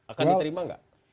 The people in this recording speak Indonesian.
akan diterima gak